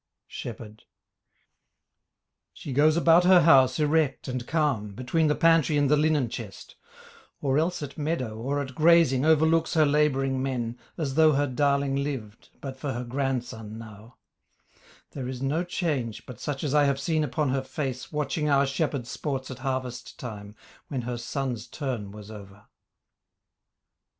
SHEPHERD She goes about her house erect and calm Between the pantry and the linen chest, Or else at meadow or at grazing overlooks Her labouring men, as though her darling lived But for her grandson now; there is no change But such as I have seen upon her face Watching our shepherd sports at harvest time When her son's turn was over.